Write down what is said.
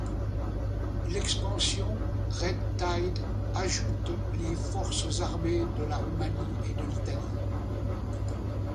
L'expansion, Red Tide ajoute les forces armées de la Roumanie et de l'Italie.